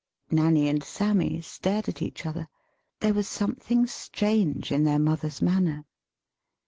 "] Nanny and Sammy stared at each other. There was something strange in their mother's , manner.